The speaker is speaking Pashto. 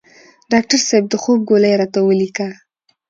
ډاکټر صیب د خوب ګولۍ راته ولیکه